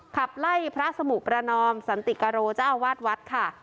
ขับไล่พระสมุประนอมสันติกโรเจ้าอาวาสวัดค่ะ